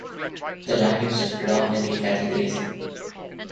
The land use is predominantly cattle grazing.